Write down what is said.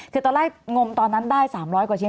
คือตอนแรกงมตอนนั้นได้๓๐๐กว่าชิ้น